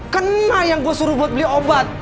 kena yang gue suruh buat beli obat